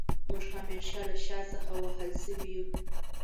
موږ همېشه له شا څخه وهل شوي يو